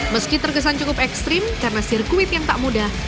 meski terkesan cukup ekstrim karena sirkuit yang tak mudah